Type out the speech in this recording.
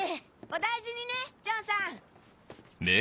お大事にねジョンさん。